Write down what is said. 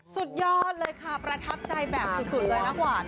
สุดยอดเลยค่ะประทับใจแบบสุดเลยนะหวาน